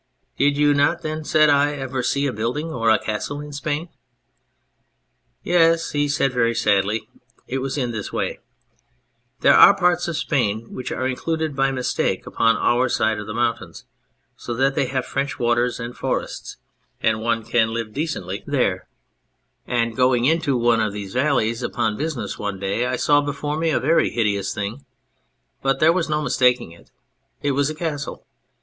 "Did you not then," said I, " ever see building a castle in Spain ?"" Yes," said he very sadly ;" it was in this way : there are parts of Spain which are included by mis take upon our side of the mountains, so that they have French water and forests, and one can live decently 5 On Anything there ; and going in to one of these valleys upon business one day, I saw before me a very hideous thing but there was no mistaking it : it was a castle